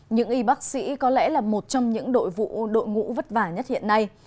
những y bác sĩ có lẽ là một trong những đội vụ đội ngũ vất vả nhất hiện nay